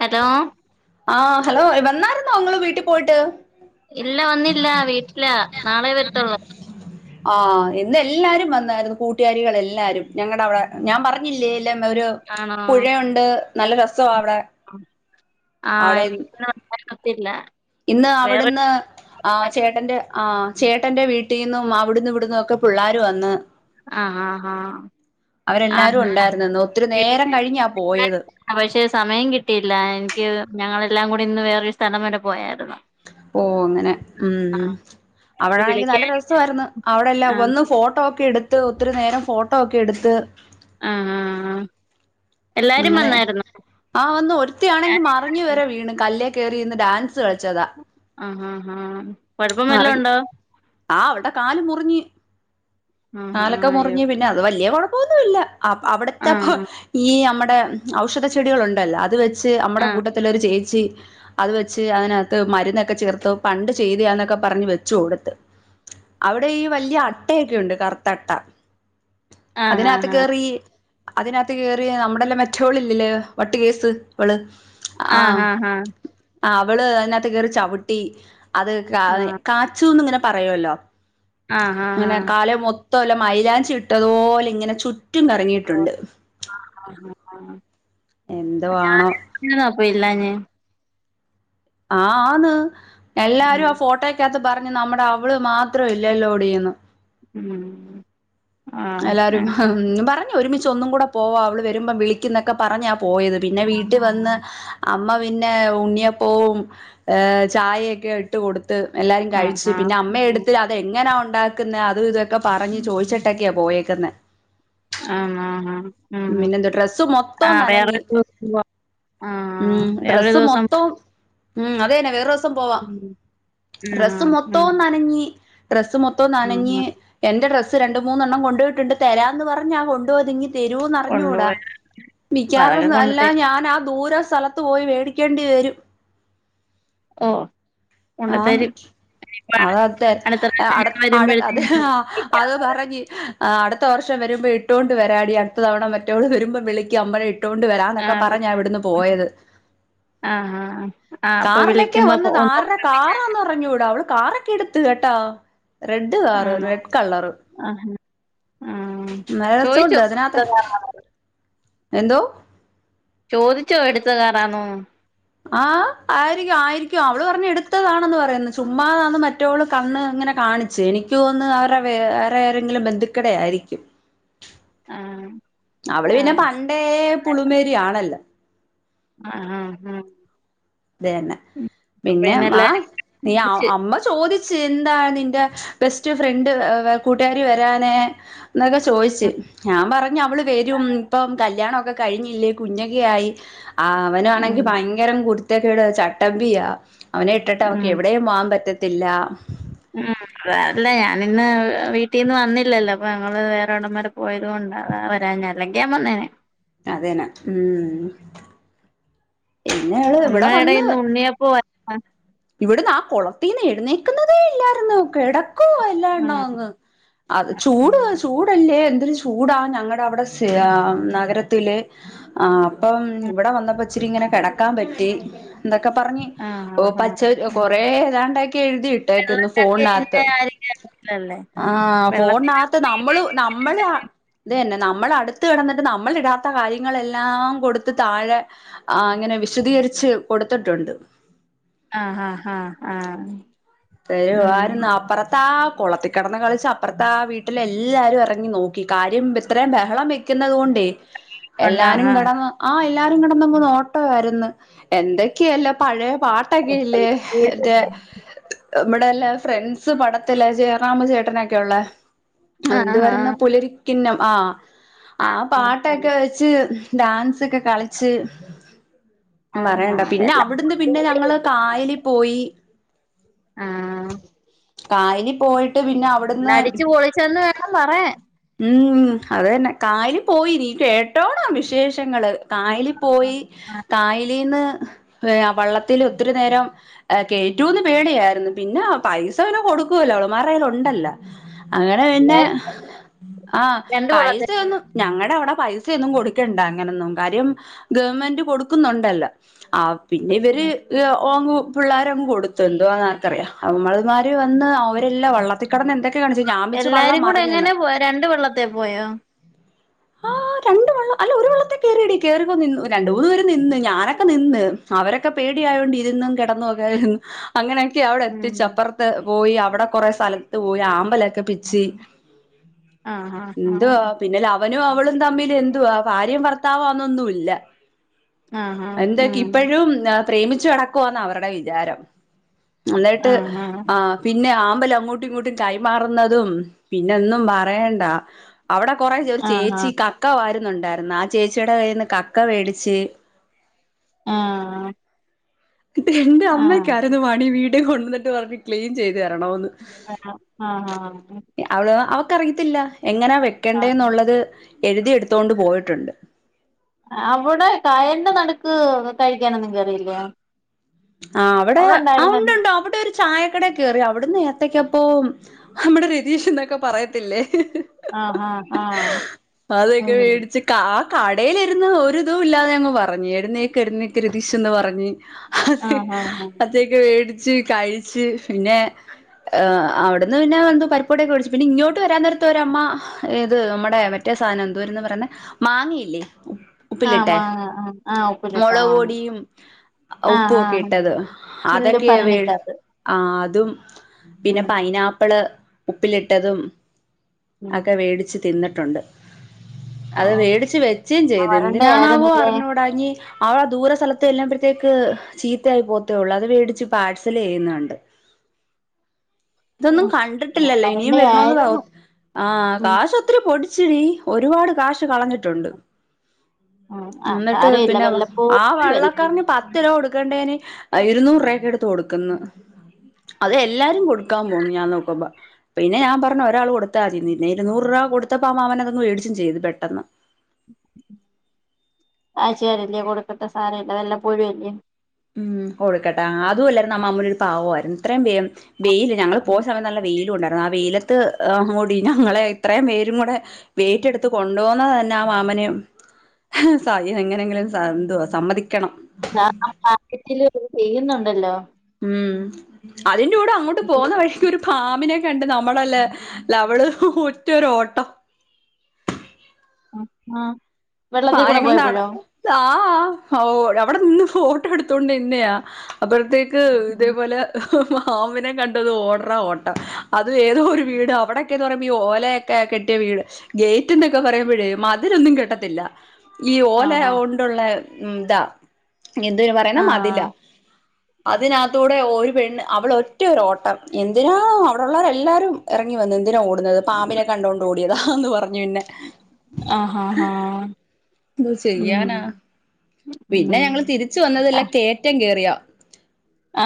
Hello. ആഹ് hello വെന്നായിരുന്നോ ങ്ങള് വീട്ടി പോയിട്ട്? ഇല്ല വന്നില്ലാ വീട്ടിലാ ന്നാളെ വര്ത്തൊള്ളൂ. [inaudible] ആഹ്, ഇന്ന് എല്ലാരും വന്നായിരുന്നു കൂട്ടുകാരികള് എല്ലാരും ഞങ്ങടെ അവടെ ഞാം പർഞ്ഞില്ലേ ല്ലാം ഒരു ആണോ പുഴ ഉണ്ട് ന്നല്ല രസവാ അവടെ. ആഹ്, എനിക്ക് [unintelligible] ത്തില്ലാ. ഇന്ന് അവടന്ന് ആ ചേട്ടന്റെ ആഹ്, ചേട്ടെന്റെ വീട്ടീന്നും അവ്ട്ന്നും ഇവിട്ന്നൊക്കെ പിള്ളേര് വന്ന് ആ ആ ആ ആ അവരേല്ലാരും ഉണ്ടായിര്ന്നന്ന് ഒത്തിരി ന്നേരം കഴിഞ്ഞാ പോയത്. അ പക്ഷെ സമയം കിട്ടിയില്ല എനിക്ക് ഞങ്ങളെല്ലാം കൂടി ഇന്ന് വേറൊരു സ്ഥലം വരെ പോയാര്ന്നു. പ്പൊ അങ്ങനെ ഉം. അതുകൊണ്ട് അവടാണെങ്കി ന്നല്ല വിളിക്കാൻ രസായിരുന്നു ആ അവടെല്ലാം വന്ന് ഫോട്ടോ ഒക്കെ എട് ത്ത് ഒത്തിരി ന്നേരം ഫോട്ടോ ഒക്കെ എടുത്ത് ആഹ്. അങ്ങനെ ആഹ് വന്ന് ഒര്ത്തിയാണെങ്കി മറിഞ്ഞു വെരേ വീണ് കല്ലെ കേറി ഇര്ന്ന് ഡാൻസ് കൾച്ചതാ. ആഹ് ഹാ ഹാ. മറിഞ് ആഹ് അവൾടെ കാല് മുറിഞ്. ആ ആ കാലൊക്കെ അയ്യോ മുറിഞ്ഞ് പിന്നെ അത് വല്ല്യ കോഴപ്പൊന്നുല്ല അ ആ അവടെത്തെപ്പൊ ഈ അമ്മടെ ഔഷധ ചെടികൾ ഉണ്ടല്ലോ അത് വെ ച്ച് അമ്മടേ ആ കൂട്ടത്തിലൊരു ചേച്ചി അത് വെച്ച് അതിനകത്ത് മരുന്നൊക്കെ ചേർത്തു പണ്ട് ചെയ്തെയാന്ന ഒക്ക പർഞ് വെച്ചു കൊടുത്ത് അവടെ ഈ വല്ല്യാ അട്ടയൊക്കെയുണ്ട് കറുത്ത അട്ട. ആ ആ അതിനകത്ത് കേറി അതിനകത്ത് കേറി ന്നമ്മടെല്ലാ മെറ്റോള് ഇല്ലലേ വട്ട്കേസ് അവള്. ആ ആ ആ ആഹ് ആ ആ ആഹ്, അവള് അതിനകത്ത് കേറി ചവ്ട്ടി അത് കാ കാച്ചൂന്ന് ഇങ്ങനെ പറയോല്ലോ ആ ആ ആ ഇങ്ങനെ ആ കാലേ മൊ ത്തോലെ മൈലാഞ്ചി ഇട്ടതു പോലെ ഇങ്ങനെ ചുറ്റും കറങ്ങിയിട്ടുണ്ട്. ആഹ് [unintelligible] [unintelligible] എന്തോആണോ [unintelligible] അപ്പൊ ഇല്ലാഞ്. ആന്ന് എല്ലാരും ആഹ് ഫോട്ടോ ക്കഅത്ത് പർഞ്ഞു ന്നമ്മടെ അവള് മാത്രൊ ഇല്ലല്ലോടീന്ന്. ഉം. ആഹ് എല്ലാരും ആഹ് ഉം പർഞ്ഞു ഒരുമിച്ച് ഒന്നും കൂടെ പോവാ അവള് വെരുമ്പം വിളി ക്ക്ന്നൊക്കെ പർഞ്ഞാ പോയത് പിന്നെ വീട്ടി വന്ന് അമ്മ പിന്നെ ഉണ്ണിയപ്പവും ചായയൊക്കെ ഇ ട്ട് കൊടുത്ത് എല്ലാരും ആഹ് കഴിച്ച് ആഹ് പിന്നെ അമ്മഎട്ത്ത് അത് എങ്ങനാ ഒണ്ടാക്ക്ന്നേ അത് ഇതൊക്കെ പറഞ് ചോയ്ച്ച് ക്കെയാ പോയേക്ക്ന്നേ. ആഹ് മാ മാ പിന്നെ എന്താ ഡ്രസ് മൊത്തം നനഞ്ഞ ദിവസം പോ ആഹ് ഉം വേറൊരു ഡ്രസ്സ് ദിവസം മൊത്തം ഉം അതെന്നെ വേറ ദിവസം പോവാം ഉം ഡ്രസ്സ് ഉം മൊത്തവുംന്ന നനഞ്ഞി ഡ്രസ് മൊത്തം തോം ഉം നനഞ് എന്റെ ഡ്രസ്സ് രണ്ട് മൂന്നെണ്ണം കൊണ്ട് പോയിട്ടുണ്ട് തരാ എന്ന് പറഞ്ഞ കൊണ്ടപ പോ തി രുന്ന് അറിഞ്ഞൂട കൊണ്ടുപോയി അപ്പ മിക്കവാറും അതൊക്കെ കൊണ്ട് നല്ല തരും അല്ല ആ ദൂര സ്ഥലത്തു അത്ത് പോയി മേടിക്കേണ്ടി വരും ഓഹ് ആണ് അതതെ അടുത്ത പ്രാവശ്യം അട ഞാൻ അട അത വരുമ്പോഴത്തേനും വിളിക്കാം അത് പറഞ്ഞി ആ ഹ് അടുത്ത വർഷം വരുമ്പോ ഇട്ടൊണ്ട് വരാടി അടുത്ത തവണ മറ്റോൾ വരുമ്പോൾ വിളിക്ക് അമ്മെ ഇട്ട് ഇട്ടൊണ്ട് വരാന്നൊക്കെ ആഹ് പറഞ്ഞ വിളിക്കാം ഇവിടുന്ന് പോയത് ആഹ് ആഹ് ആഹ് അപ്പൊ കാറിലൊക്കെ വിളിക്കുമ്പോ അപ്പൊ വന്നത് ഒന്ന് ആരുടെ കാറാണ് ങ്ങറിഞ്ഞുട അവള് കാറൊക്കെ എടുത്ത് കേട്ടാ റെഡ് കാറ് ആണോ റെഡ് കളറ് ആഹ് ആഹ് മ ട ചോദിച്ചോ ദതിനനത്ത് എടുത്ത കാറാണോ [inaudible] എന്തോ ചോദിച്ചോ എടുത്തുകാരാണോ ആഹ് ആയിരിക്കും ആയിരിക്കും അവള് പറഞ്ഞു എടുത്തതാണെന്ന് പറയുന്നു ചുമ്മാതാെന്ന് മറ്റ മറ്റോൾ കണ്ണു ഇങ്ങനെ കാണിച്ച് എനിക്ക് തോന്ന് അവരുടെ വ വറെ റെങ്കിലും ബന്ധുക്കടെ ആയിരിക്കും ആഹ് അവള് പിന്നെ ആഹ് പണ്ടേ പുളിമേരി ആണല്ല ആഹ് ആഹ് അതന്നെ അപ്പൊ പിന്നെ ഇന്ന് വാ എല്ലാരും നീ വിളിച്ച് അമ്മ ചോദിച്ചു എന്താണ് നിന്റെ ബെസ്റ്റ് ഫ്രണ്ട് കൂട്ടുകാരി വരാനെ എന്നൊക്കെ ചോദിച്ച് ഞാൻ പറഞ്ഞു അവള് വരും ഇപ്പം കല്യാണമൊക്കെ കഴിഞ്ഞില്ലേ കുഞ്ഞ ആയി അവനാണെങ്കി ഉം ഭയങ്കര കു ചട്ടമ്പിയാ അവനെ ഇട്ടിട്ട് അവക്ക് ഉം എവിടെയും പോകവാൻ പറ്റത്തില്ല ആഹ് വേറെല്ല ഞാനിന്ന് വീട്ടിൽന്ന് വന്നില്ലല്ലോ അപ്പൊ ഞങ്ങള്ൾ വേറെ ഉടന്മാരെ പോയത കൊണ്ട വരാൻ ഞ അല്ലെങ്കിൽ ഞാൻ വന്നേനെ അതേനാ ഉം പിന്നഅവള് ഇവിടെ വന്ന് അപ്പോ ഇവിടുന്ന് ആ കൊളത്തിൽന്ന് എഴുന്നേക്കുന്നതേ ഇല്ലായിന്ന കിടക്ക എല്ലാനെങ്ങ ചൂട ചൂ അടല്ലേ എന്തരു ചൂടാ ഞങ്ങളുടെ അവിടെ നഗരത്തില് ആഹ് അപ്പം ഇവിടെ വന്നപ്പോ ഇച്ചിരി ഇങ്ങനെ കിടക്കാൻ പറ്റി എന്തൊക്കെ പറഞ്ഞ് ആഹ് ആഹ് ഓ ആഹ് ആഹ് കൊറെ ഏതാണ്ടാക്കി എഴുതിയിട്ടേക്കന്ന് വെള്ളത്തിനൊക്കെ കഴിഞ്ഞ ഫോണിനകത്ത് ആരും കേറത്തില്ലല്ലേ ആഹ് ഫോണിനകത്ത് വെള്ളത്തിനൊക്കെ വീണ് നമ്മള് നമ്മള് കഴിഞ്ഞ ഇത് തന്നെ നമ്മൾ അടുത്ത് കിടന്നിട്ട് നമ്മള ഇടാത്ത കാര്യങ്ങളെല്ലാം കൊടുത്ത് താഴെ ആഹ് അങ്ങനെ വിശദീകരിച്ച് കൊടുത്തിട്ടുണ്ട് ആഹ് ആഹ് ആഹ് ആഹ് ത [inaudible] രു ഉം ആരുന്ന അപ്പുറ ന്താ കൊളത്തി കിടന്ന് കളിച്ച അപ്പുറത്തെ ആ വീട്ടിൽ എല്ലാവാരും ഇറങ്ങി നോക്കി കാര്യം ഇത്രയും ബഹളം വ കുന്നത് കൊണ്ട് ഉണ്ടാ എല്ലാരും ആഹ് കടന്ന് ആഹ് എല്ലാരും ഇങ്ങടെ നങ്ങട് നോട്ടമായിന്ന് എന്തൊക്കെയല്ല പഴയ പാട്ടൊക്കെ ഇല്ലേ മറ്റേ ഇവിടെല്ലെ ഫ്രണ്ട്സ് പടത്തിലെ ജയറാമ് ചേട്ടനൊക്കൊള്ളേ അന്ത് ആഹ് [unintelligible] പുലരിക്കിന്നം ആഹ് ആ ആഹ് ആഹ് പാട്ടൊക്കെ വെച്ച് ഡാൻസൊക്കെ കളിച്ച് ആഹ് പറയണ്ട ആഹ് പിന്ന വെള്ളം ഇവ്ട്ന്ന് പിന്നെ ഞങ്ങള് കായലി പോയി ആഹ് കായലി പോയിട്ട് പിന്നെ അവ്ട്ന്ന് കുളിച്ചന്ന് വെ [unintelligible] പറേ ഉം അത് തന്നെ കായലി പോയി നീ കേട്ടോണം വിശേഷങ്ങള് കായലി പോയി കായലീന്ന് വള്ളത്തില് ഒത്തിരി നേരം കേറ്റുന്ന് പേടിയായിരുന്നു പിന്നെ പൈസ പിന്നെ കൊടുക്കുവല്ലോ അവളമ്മാരെ കയ്യിലൊണ്ടല്ലൊ അങ്ങനെ പിന്നെ എല്ലാരും ആഹ് രണ്ട് പൈസ വള്ളത്തി ഒന്നും ഞങ്ങളടെ അവടെ പൈസ ഒന്നും കൊടുക്കണ്ട അങ്ങനൊന്നും കാര്യം ഗവൺമെന്റ് കൊടുക്കുന്നുണ്ടല്ലോ ആ പിന്നെ ഇവര് ഓങ്ങു പിള്ളാരങ്ങ് കൊടുത്തു എന്തുവാന്ന് ആർക്കറിയാ അവള്മ്മാര് വന്ന് അവരെല്ലാം വള്ളത്തിക്കെടന്ന് എന്തൊ റ്റ് കാണിച്ചു ഞാൻ വെച്ച് വള്ളം എല്ലാരും കൂടെ മറിഞ്ഞെന്ന് എങ്ങനെ പോയെ രണ്ട് വെള്ളത്തെ പോയോ ആഹ് രണ്ട് വെള്ളം അല്ല ഒരു വെള്ളത്തി കേറിയെടി കേറിയപ്പോ നിന്നു രണ്ട് മൂന്ന് പേര് നിന്ന് ഞാനൊക്കെ നിന്ന് അവരൊക്കെ പേടിയായോണ്ട് ഇരുന്നും കെടന്നും ഒ [unintelligible] അങ്ങനെയൊക്കെ ഉം അവടെത്തിച്ചപ്പർ ത്ത് പോയി അവടെ കൊറെ സ്ഥലത്ത് പോയി ആമ്പലൊക്കെ പിച്ചി ആഹ് ആഹ് എന്തുവാ പിന്നല്ലെ അവനും അവളും തമ്മില് എന്തുവാ ഭാര്യേം ഭർത്താവാന്നൊന്നുല്ല ആഹ് ആഹ് എന്തൊക്കെ ഉം ഇപ്പഴും പ്രേമിച്ചു നടക്കുവാ ന്ന അവരുടെ വിചാരം ന്ന്ട്ട് ആഹ് ആ പിന്നെ ആമ്പലങ്ങോട്ടും ഇങ്ങോട്ടും കൈമാറുന്നതും പിന്നൊന്നും പറയണ്ട അവടെ കൊറേ ഒരു ആഹ് ചേച്ചി കക്ക വാരുന്നുണ്ടായിരുന്നു ആ ചേച്ചിടെ കയ്യ്ന്ന് കക്ക വേടിച്ച് ആഹ് ത് എന്റെ ആഹ് അമ്മക്ക് ആഹ് ആരോ [unintelligible] പർഞ്ഞു ക്ലീൻ ചെയ്ത് തെരണോന്ന് ആ ആഹ ആഹ അവള് അവക്കറിയത്തില്ല എങ്ങനാ ആഹ് വെക്കണ്ടേന്നുള്ളത് എഴുതിയെടുത്തോണ്ട് പോയിട്ടുണ്ട് അവടെ കായൽന്റെ നടുക്ക് കഴിക്കാനൊന്നും കേറിയില്ലേ ആ അവടെ അവിടെ ആ ഉണ്ട് ഉണ്ടായിരുന്നല്ലോ ഉണ്ട് അവടൊര് ചായക്കടേ കേറി അവ്ട്ന്ന് ഏത്തക്കപ്പോം നമ്മടെ രതീഷ് ന്നൊക്കെ പറയത്തില്ലേ ആഹ് ആഹ് ആഹ് അതൊക്കെ ഉം വേടിച്ച് ആ കടേലിരുന്ന് ഒരിതും ഇല്ലാതങ് പറഞ് എഴുന്നേക്ക് എഴുന്നേക്ക് രെതീഷെന്ന് പറഞ്ഞ് അത് ആഹ് ആഹ് ആഹ് അതൊക്കെ വേടിച്ച് കഴിച്ച് പിന്നെ എ അവ്ട്ന്ന് പിന്നെ എന്തോ പരിപ്പുവടൊക്കെ വേടിച്ചു പിന്നെ ഇങ്ങോട്ട് വരാൻ നേരത്തൊരമ്മ ഏത് നമ്മടെ മറ്റ് റ്റേ സാധനം എന്തൂരാന്ന് പറയുന്നെ മാങ്ങയില്ലേ ആഹ് ഉപ്പിലിട്ടെ മാങ്ങ ആഹ് ആഹ് ഉപ്പിലിട്ട മാങ്ങ മൊളക്പൊടിയും ആഹ് ഉപ്പൊക്കെ ആഹ് ഇട്ടത് ചില്ല് അതൊക്കെ വേ ഭരണിക്കകത്ത് ആഹ് അതും പിന്നെ ഉം പൈനാപ്പിള് ഉപ്പിലിട്ടതും ഉം അതൊക്കെ വേടിച്ച് തിന്നിട്ടുണ്ട് ഓ അത് വേടിച്ച് വെച്ചും ചെയ്ത് എന്തിനാണാവോ വരണ്ടയായിരുന്നല്ലേ അറിഞ്ഞുടാഞ്ഞി അവളാ ദൂര സ്ഥലത്ത് ചെല്ലുമ്പഴത്തേക്ക് ക്ക് ചീത്തയായി പോകത്തേ ഒള്ളൂ അത് വേടിച്ച് പാഴ്സൽ ചെയ്യുന്നുണ്ട് ഇതൊന്നും ഉം കണ്ടിട്ടില്ലല്ലോ. ഇനിയും വരണന്ന് വരണ്ടയായിരുന്നു ആവും. ആഹ് ഉം കാശോ ത്തിരി പൊടിച്ചിടി. ഒരുപാട് കാശ് കളഞ്ഞിട്ടുണ്ട്. ആ ഉം. ന്നിട്ട് സാരമില്ല പിന്നെ ആഹ് വല്ലപ്പോഴും അല്ലേ വെള്ളക്കറിന് പത്ത് രൂപ കൊടുക്കണ്ടെന് ഇരുന്നൂർ രൂപ എടുത്ത് കൊടുക്കുന്നു. അത് എല്ലാരും കൊടുക്കാൻ പോന്നു. ഞാൻ നോക്കുമ്പ. പിന്നെ ഞാൻ പറഞ്ഞു. ഒരാൾ കൊടുത്താൽതിന്ന്. ഇരുന്നൂറ് രൂപ കൊടുത്തപ്പ ആഹ് മാമനതങ് മേടിച്ചും ചെയ്ത്. പെട്ടെന്ന്. ആഴ്ച്ചേലല്ലേ കൊടുക്കണ്ട്. സാരല്ല. വല്ലപ്പോഴുല്ലേ. ഉം. കൊടുക്കട്ടെ. അതുല്ലാരുന്നമ്മ അവരോരു പാവരുന്നു. ഇത്രയും വേം വെയില്. ഞങ്ങള് പോയ സമയത്ത് നല്ല വെയിലും ണ്ടായിരുന്നു. ആഹ് വെയിലത്ത് കൂടി ഞങ്ങളെ ഇത്രയും പേരും കൂടെ വെയിറ്റെടുത്ത് കൊണ്ടു പോന്നതന്നെ ആ മാമന് സതി എങ്ങനെങ്കിലും എന്തുവാ സമ്മതിക്കണം. ഞാ ആഹ് മാർകെറ്റില് ചെയ്യുന്നുണ്ടല്ലോ. ഉം. അതിന്റെ കൂടെ അങ്ങോട്ട് പോന്ന വഴി ക്കൊരു പാമ്പിനെ കണ്ട്. നമ്മടല്ലേ ലവള് ഒറ്റരൊട്ടം. അഹ് ആഹ് പായങ്ങൾ താഹ്. അവിടെ നിന്ന് ഫോട്ടോ എടുത്തോണ്ട് നിന്നെയാ. അപ്പഴ് ത്തേക്ക് ഇതേപോലെ പാമ്പിനെ കണ്ടത് ഓടടാ ഓട്ടം. അത് ഏതോ ഒരു വീട്. അവിടെക്കെന്ന് പറയുമ്പോ ഈ ഓലെ ക്കെ കെട്ടിയ വീട്. ഗേറ്റ് എന്നൊക്കെ പറയുമ്പഴേ മതിലൊന്നും കെട്ടത്തില്ല. ഈ ആ ഓല ആ ഒണ്ടുള്ള ഉം താ. എന്ത്‌ പറയുന്ന ആ മതില. അതിനതൂടെ ഒരുപെണ്ണ് അവിളോറ്റരോട്ടം. എന്തിനാ അവിടെള്ളോരെല്ലാരും എറങ്ങിവന്ന്. എന്തിനാ ഓടുന്നത്. പാമ്പിനെ കണ്ടോണ്ട് ഓടിയതാ ന്ന് പറഞ്ഞു പിന്നെ. ആഹ് ഹഹ ആഹ് ന്ത്ചെയ്യാനാ. പിന്നെ ഉം ഞങ്ങള് തിരിച്ച് വന്നത് ല്ലേ കേറ്റംകേറിയാ. ആ ആ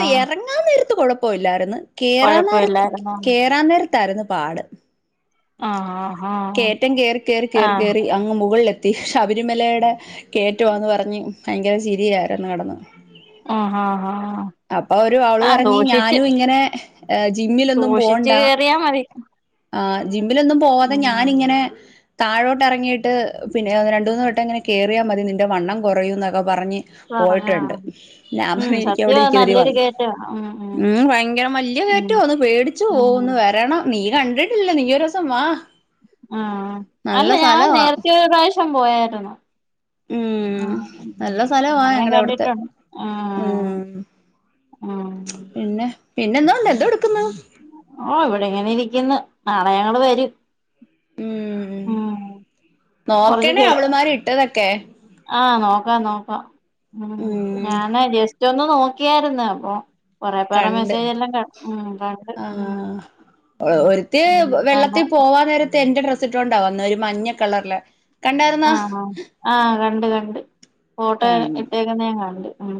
ആ എറങ്ങാൻ നേരത്ത് കൊഴപ്പല്ലാര്ന്നു. കേറാ നേരത്ത് കൊഴപ്പമില്ലായിരുന്നോ കേറാ റാ നേരത്താരുന്ന് പാട്. ആ ആ ആ കേറ്റം കേറി കേറി ആ കേറി കേറി. അങ്ങ് മുകളിലെത്തി. ശബരിമലടെ കേറ്റന്ന് പറഞ്ഞ് ഭയങ്കര ചിരിയാരുന്നു കിടന്ന്. ആഹ് ആഹ് ആഹ്. അപ്പൊ ഒരു അവള് പറഞ്ഞ്. ഞാനും ഇങ്ങനെ ജിമ്മിലൊന്നും സൂക്ഷിച്ച് പോണ്ട. കേറിയാ മതി ആഹ്. ജിമ്മിലൊന്നും പോവാതെ ഉം ഞാനിങ്ങനെ താഴോട്ടറങ്ങീട്ട് പിന്നെ രണ്ടൂന്നു വട്ടം ഇങ്ങനെ കേറിയാ മതി നിന്റെ വണ്ണം കുറയുന്നൊക്കെ പറഞ്ഞ്. പറഞ്ഞ പോയിട്ടോണ്ട്. ഉം ഞാപറഞ്ഞു സത്യവ എനിക്കവിടെരി കേരി നല്ലൊരു വന്നു. കേറ്റ ഉം ഉം ഭയങ്കര വല്ല്യ ഉം കേറ്റവാ ന്ന്. പേടിച്ചു പോവും. ഉം ഒന്ന് വരണം. നീ കണ്ടിട്ടില്ല. നീ ഒരൂസം വാ. ആഹ്. അല്ല നല്ല ഞാ സ്ഥലവാ നേരത്തെ ഒരു റാശ്യം പോയായിരുന്നു. ഉം അഹ്. നല്ല സ്ഥലവാ ഞാൻ ഞങ്ങടെ അവിടുത്തെ കണ്ടിട്ടോണ്ട്. ആഹ് ഉം ആഹ് പിന്നെ. പിന്നെന്തോണ്ട്. എന്തൊടുക്കുന്നു? ഓഹ് ഇവിടെ ങ്ങനെ ഇരിക്കുന്ന്. നാളെ ഞങ്ങള് വെരും. ഉം കൊറച്ച് നോക്കണേ. ചെ അവള്മാര് ഇട്ടതൊക്കെ. ആഹ് നോക്കാം നോക്കാം. ഉം ഞാന് ജസ്റ്റൊന്ന് നോക്കിയരുന്ന്. അപ്പൊ കൊറെ പേറ കണ്ട് മെസ്സേജേല്ലാം കൺ ഉം കണ്ട്. ഓള് ഒരുത്തി ഉം കണ്ട വെള്ളത്തി പോവാനേരത്ത് എന്റെ ഡ്രസ്സ് ട്ടോണ്ടാ വന്നേ. ഒരു മഞ്ഞകളറിലെ ആഹ് ആഹ് കണ്ട് കണ്ട്. ഫോട്ടോ കൺ ഇട്ടേക്കുന്ന ഞാ കണ്ട്. ഉം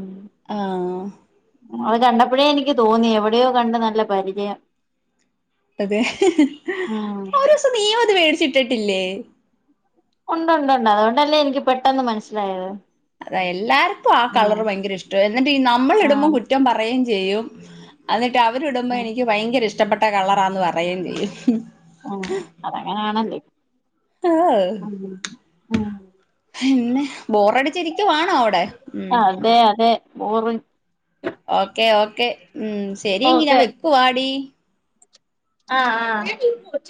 ആഹ് അത് കണ്ടപ്പഴേ എനിക്ക് തോന്നി എവിടെയോ കണ്ട് നല്ല പരിചയം അതെ ഉം ഒരുസം നീയും അത് മേടിച്ചിട്ടിട്ടില്ലേ? ഉണ്ട് ണ്ട് ണ്ട് അതുകൊണ്ടല്ലേ എനിക്ക് പെട്ടെന്ന് മനസ്സിലായത് അതാ എല്ലാർക്കും ആ കളർ ആഹ് ഭയങ്കര ഇഷ്ട എന്നിട്ട് ഈ നമ്മളിടുമ്പോം ആഹ് കുറ്റം പറയെം ചെയ്യും എന്നിട്ട് അവരിടുമ്പോ ആഹ് എനിക്ക് ഭയങ്കര ഇഷ്ടപ്പെട്ടകളറാന്ന് പറയെം ചെയ്യും ആഹ് അതങ്ങനെണല്ലോ ആഹ് ഉം ആഹ് പിന്നെ ബോറടിച്ചിരിക്കുവണോ അവിടെ ഉം അതെ അതെ ബോറിങ് ഓക്കേ ഓക്കേ ഉം ശരിയെങ്കി ഞാൻ ഓക്കെ വെക്കുവാടി ആഹ് ആഹ്